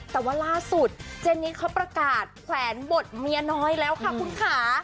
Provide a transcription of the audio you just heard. แต่ว่าล่าสุดเจนิสเขาประกาศแขวนบทเมียน้อยแล้วค่ะคุณค่ะ